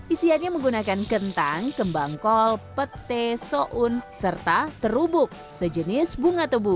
isiannya menggunakan kentang kembang kol petai soun serta terubuk sejenis bunga tebu